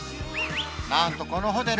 なんとこのホテル